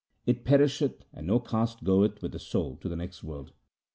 It perisheth, and no caste goeth with the soul to the next world.